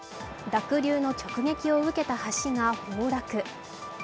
濁流の直撃を受けた橋が崩落。